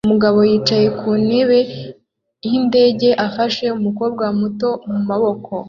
Umugabo yicaye ku ntebe y'indege afashe umukobwa muto mu maboko